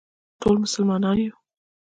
ټول مسلمانان یو